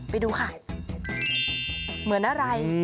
ไปดูค่ะเหมือนอะไร